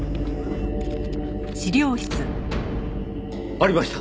ありました！